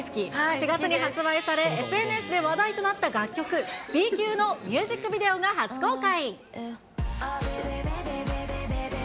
４月に発売され、ＳＮＳで話題となった楽曲、Ｂ級のミュージックビデオが初公開。